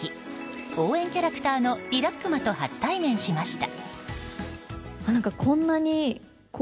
応援キャラクターのリラックマと初対面しました。